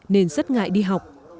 nên rất ngại đi học